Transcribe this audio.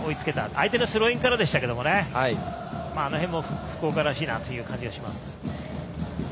相手のスローインからでしたけどあの辺も福岡らしいなという感じがします。